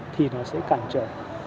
thì nó sẽ cản trở